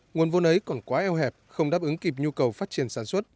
nguồn vốn ấy còn quá eo hẹp không đáp ứng kịp nhu cầu phát triển sản xuất